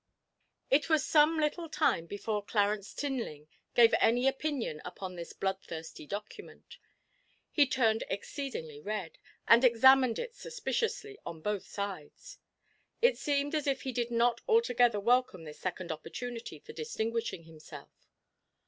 It was some little time before Clarence Tinling gave any opinion upon this bloodthirsty document. He turned exceedingly red, and examined it suspiciously on both sides. It seemed as if he did not altogether welcome this second opportunity for distinguishing himself.